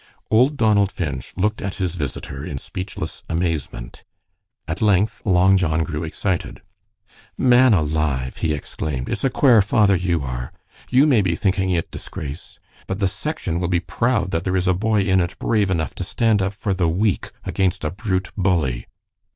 Old Donald Finch looked at his visitor in speechless amazement. At length Long John grew excited. "Man alive!" he exclaimed, "it's a quare father you are. You may be thinking it disgrace, but the section will be proud that there is a boy in it brave enough to stand up for the weak against a brute bully."